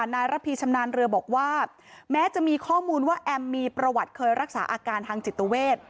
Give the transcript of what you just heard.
ระพีชำนาญเรือบอกว่าแม้จะมีข้อมูลว่าแอมมีประวัติเคยรักษาอาการทางจิตเวท